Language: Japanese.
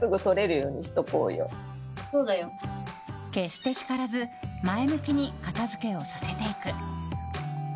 決して叱らず前向きに片付けをさせていく。